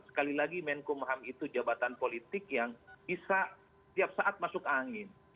sekali lagi menkumham itu jabatan politik yang bisa tiap saat masuk angin